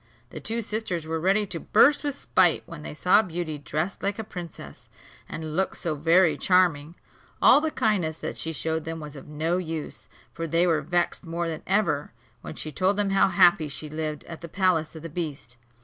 The two sisters were ready to burst with spite when they saw Beauty dressed like a princess, and look so very charming. All the kindness that she showed them was of no use; for they were vexed more than ever, when she told them how happy she lived at the palace of the beast.